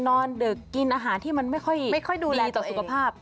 ดึกกินอาหารที่มันไม่ค่อยดูแลต่อสุขภาพ